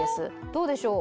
どうでしょう